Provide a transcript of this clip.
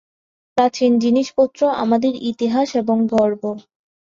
প্রাচীন জিনিসপত্র আমাদের ইতিহাস এবং গর্ব!